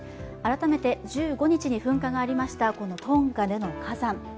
改めて１５日に噴火がありましたトンガでの火山